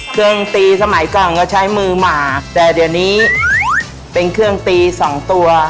เครื่องตีสมัยก่อนก็ใช้มือหมากแต่เดี๋ยวนี้เป็นเครื่องตีสองตัว